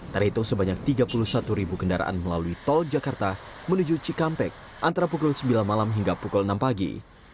terhitung sebanyak tiga puluh satu ribu kendaraan melalui tol jakarta menuju cikampek antara pukul sembilan malam hingga pukul enam pagi